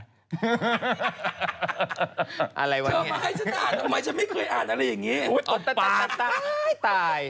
เธอมาให้ชั้นอ่านทำไมเกิดไม่เคยอ่านอะไรอย่างเงี้ยท่ายท่าย